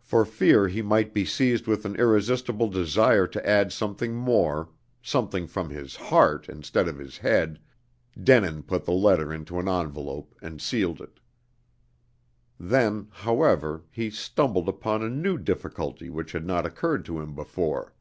For fear he might be seized with an irresistible desire to add something more, something from his heart instead of his head, Denin put the letter into an envelope and sealed it. Then, however, he stumbled upon a new difficulty which had not occurred to him before.